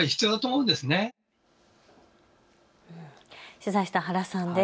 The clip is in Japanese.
取材した原さんです。